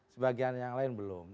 sebagian yang lain belum